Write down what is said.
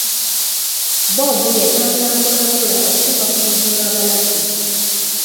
Bob Yatambula mpolampola okutuuka ku luggi lwa ba Lucky.